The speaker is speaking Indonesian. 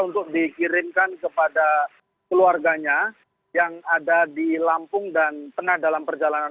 untuk dikirimkan kepada keluarganya yang ada di lampung dan pernah dalam perjalanan